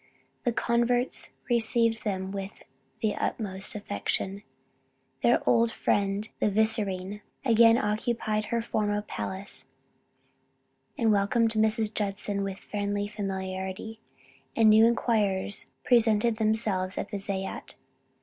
The converts received them with the utmost affection; their old friend the vicereine again occupied her former palace and welcomed Mrs. Judson with friendly familiarity, and new inquirers presented themselves at the zayat.